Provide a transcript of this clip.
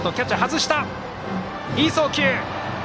いい送球。